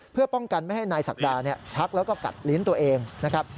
เพื่อป้องกันไม่ให้นายศักดาชักแล้วก็กัดลิ้นตัวเองนะครับ